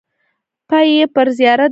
پای یې پر زیارت درېده.